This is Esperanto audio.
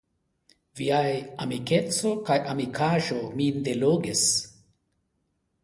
Viaj amikeco kaj amikaĵo min delogis.